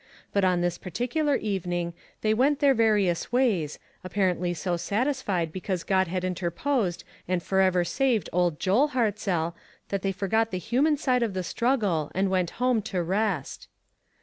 But on this particular evening, they went their various ways, apparently so satisfied because God had interposed and forever saved old Joel Hartzell, that they forgot the human side of the struggle and went home to rest.